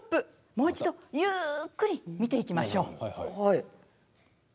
もう一度ゆっくり見ていきましょう。